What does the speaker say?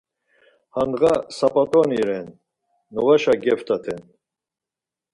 Handğa sap̌at̆oni ren, noğaşa geptaten.